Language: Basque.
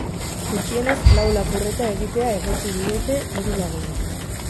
Gutxienez lau lapurreta egitea egotzi diete hiru laguni.